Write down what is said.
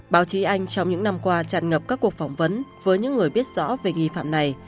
báo chí anh trong những năm qua tràn ngập các cuộc phỏng vấn với những người biết rõ về nghi phạm này